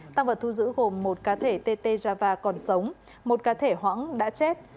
tăng vật thu giữ gồm một cá thể tt java còn sống một cá thể hoãng đã chết